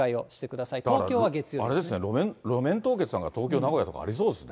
だからあれですね、路面凍結なんか、東京、名古屋とかありそうですね。